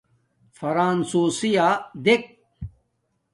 فرݳنسُݸسِیݳ دݵک.